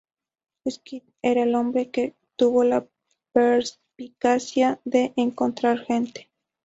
Skid era el hombre que tuvo la perspicacia de encontrar gente.